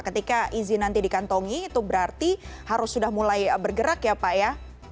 ketika izin nanti dikantongi itu berarti harus sudah mulai bergerak ya pak ya